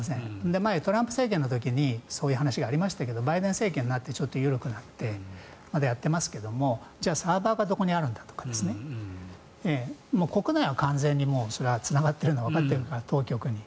前にトランプ政権の時にそういう話がありましたがバイデン政権で緩くなってまだやってますけどもじゃあサーバーがどこにあるんだとか国内は完全にそれはつながっているのはわかっているから当局に。